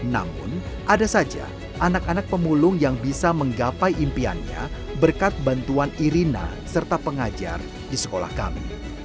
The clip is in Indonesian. namun ada saja anak anak pemulung yang bisa menggapai impiannya berkat bantuan irina serta pengajar di sekolah kami